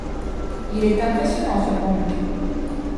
Il est impressionnant ce pont-levis.